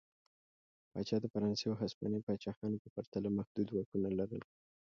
پاچا د فرانسې او هسپانیې پاچاهانو په پرتله محدود واکونه لرل.